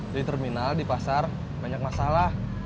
di terminal di pasar banyak masalah